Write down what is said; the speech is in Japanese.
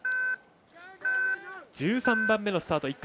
１３番目のスタート